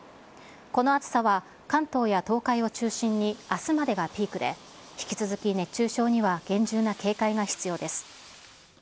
この暑さは、関東や東海を中心にあすまでがピークで、引き続き熱中症には厳重な警戒が必要です。